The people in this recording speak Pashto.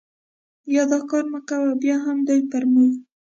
یا دا کار مه کوه، بیا هم دوی پر موږ.